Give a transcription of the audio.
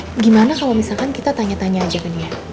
gimana kalau misalkan kita tanya tanya aja ke dia